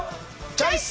チョイス！